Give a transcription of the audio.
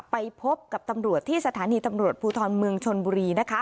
ไปพบกับตำรวจที่สถานีตำรวจภูทรเมืองชนบุรีนะคะ